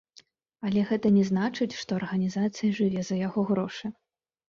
Але гэта не значыць, што арганізацыя жыве за яго грошы.